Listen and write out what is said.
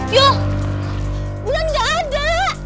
yul bulan gak ada